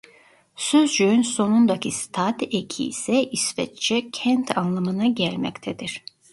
Sözcüğün sonundaki "-stad" eki ise İsveççe "kent" anlamına gelmektedir.